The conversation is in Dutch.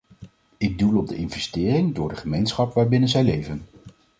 Ik doel op de investering door de gemeenschap waarbinnen zij leven.